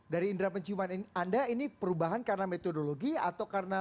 dari indera penciuman anda ini perubahan karena metodologi atau karena